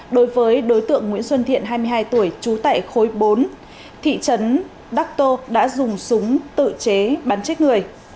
đối với đối tượng nguyễn xuân thiện hai mươi hai tuổi trú tại khối bốn thị trấn đắc tô đã dùng súng tự chế bắn chết người